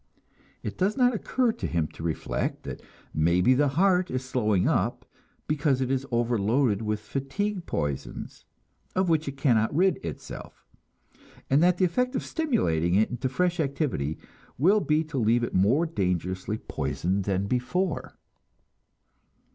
It does not occur to him to reflect that maybe the heart is slowing up because it is overloaded with fatigue poisons, of which it cannot rid itself, and that the effect of stimulating it into fresh activity will be to leave it more dangerously poisoned than before.